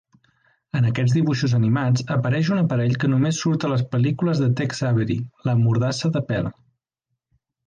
En aquests dibuixos animats apareix un aparell que només surt a les pel·lícules de Tex Avery, la "mordassa de pèl".